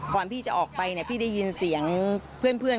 ก่อนพี่จะออกไปพี่ได้ยินเสียงเพื่อน